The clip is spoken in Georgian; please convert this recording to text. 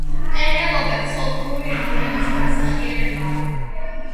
პენელოპე ცოლქმრული ერთგულების განსახიერებაა.